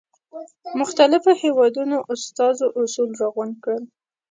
مختلفو هېوادونو استازو اصول را غونډ کړل.